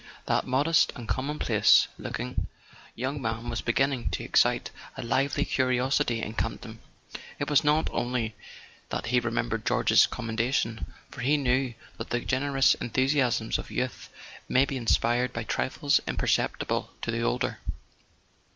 That modest and commonplace looking young man was beginning to excite a lively curiosity in Campton. It was not only that he remembered George's commendation, for he knew that the generous enthusiasms of youth may be inspired by trifles imperceptible to the older.